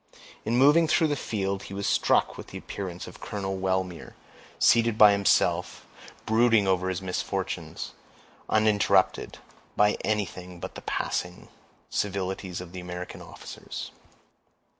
In moving through the field, he was struck with the appearance of Colonel Wellmere, seated by himself, brooding over his misfortunes, uninterrupted by anything but the passing civilities of the American officers.